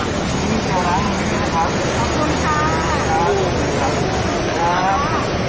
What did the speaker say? ขอบคุณครับขอบคุณครับ